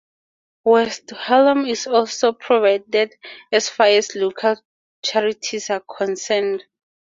West Hallam is also well provided as far as local charities are concerned.